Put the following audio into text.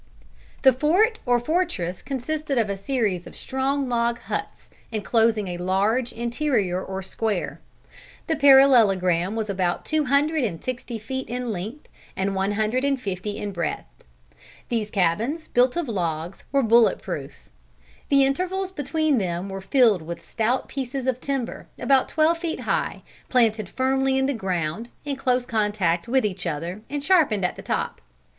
The fort or fortress consisted of a series of strong log huts, enclosing a large interior or square. The parallelogram was about two hundred and sixty feet in length and one hundred and fifty in breadth. These cabins, built of logs, were bullet proof. The intervals between them were filled with stout pieces of timber, about twelve feet high, planted firmly in the ground, in close contact with each other, and sharpened at the top.